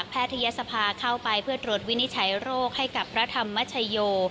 แททยศภาเข้าไปเพื่อตรวจวินิจฉัยโรคให้กับพระธรรมชโย